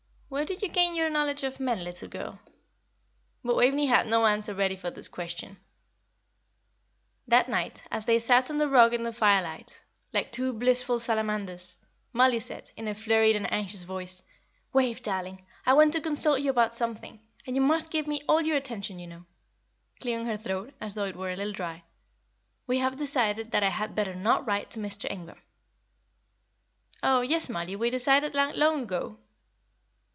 "Where did you gain your knowledge of men, little girl?" But Waveney had no answer ready for this question. That night, as they sat on the rug in the firelight, like two blissful salamanders, Mollie said, in a flurried and anxious voice, "Wave, darling, I want to consult you about something, and you must give me all your attention; you know," clearing her throat, as though it were a little dry; "we have decided that I had better not write to Mr. Ingram." "Oh, yes, Mollie, we decided that long ago."